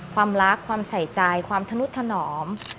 ความรักความใส่ใจความทนุษนอม